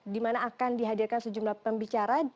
di mana akan dihadirkan sejumlah pembicara